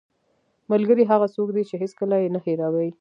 ملګری هغه څوک دی چې هېڅکله یې نه هېروې